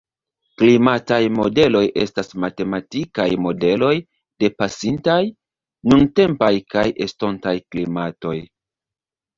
Klimataj modeloj estas matematikaj modeloj de pasintaj, nuntempaj kaj estontaj klimatoj.